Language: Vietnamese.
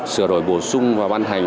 sửa đổi bổ sung và ban hành